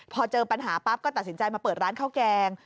พอเจอปัญหาปั๊บก็ตัดสินใจมาเปิดร้านข้าวแกง